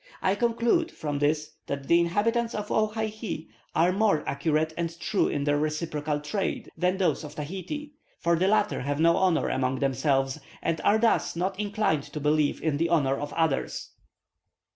I conclude from this that the inhabitants of Owhyhee are more accurate and true in their reciprocal trade than those of Tahiti, for the latter have no honour among themselves, and are thus not inclined to believe in the honour of others."